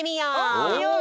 おみよう！